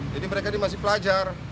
jadi mereka ini masih belajar